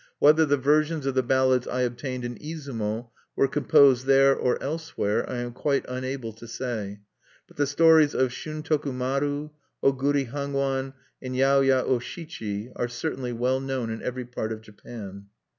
Whether the versions of the ballads I obtained in Izumo were composed there or elsewhere I am quite unable to say; but the stories of Shuntoku maru, Oguri Hangwan, and Yaoya O Shichi are certainly well known in every part of Japan.